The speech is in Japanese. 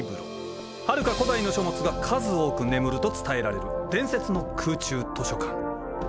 はるか古代の書物が数多く眠ると伝えられる伝説の空中図書館。